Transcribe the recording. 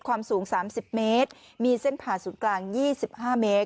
ความสูง๓๐เมตรมีเส้นผ่าศูนย์กลาง๒๕เมตร